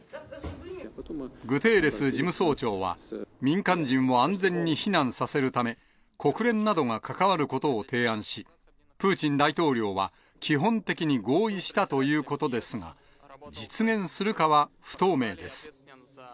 グテーレス事務総長は、民間人を安全に避難させるため、国連などが関わることを提案し、プーチン大統領は、基本的に合意したということですが、実現するかは不透明です。